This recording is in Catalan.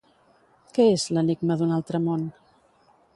Què és "L'enigma d'un altre món"?